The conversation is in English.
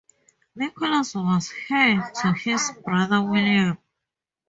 Nicholas was heir to his brother William.